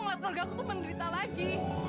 keluarga aku tuh menderita lagi